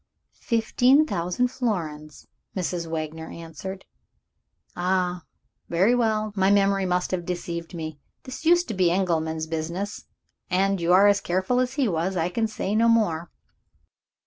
"Fifteen thousand florins," Mrs. Wagner answered. "Ah, very well, my memory must have deceived me. This used to be Engelman's business; and you are as careful as he was I can say no more."